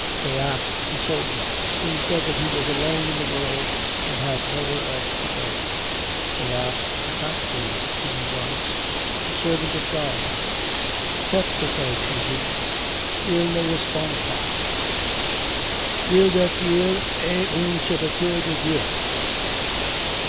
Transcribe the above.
They asked the soldier. He said that he was alone in the world and had nowhere else to go. They asked Kasatsky who he was. 'A servant of God.' 'Qu'est ce qu'il dit? Il ne repond pas.' 'Il dit qu'il est un serviteur de Dieu.